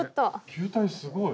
球体すごい！